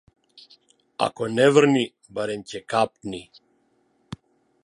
Ако не врни, барем ќе капни.